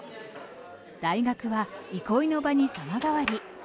大学は憩いの場に様変わり。